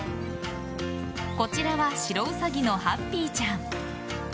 こちらは白ウサギのハッピーちゃん。